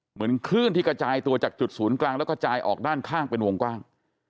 เหมือนคลื่นที่กระจายตัวจากจุดศูนย์กลางแล้วก็จายออกด้านข้างเป็นวงกว้าง